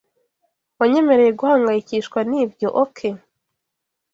Wanyemereye guhangayikishwa nibyo, OK?